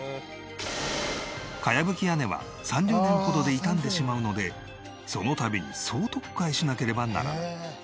茅葺き屋根は３０年ほどで傷んでしまうのでその度に総取っ替えしなければならない。